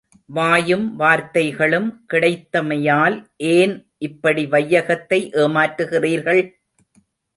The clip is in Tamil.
வாயும் வார்த்தைகளும் கிடைத்தமையால் ஏன் இப்படி வையகத்தை ஏமாற்றுகிறீர்கள்?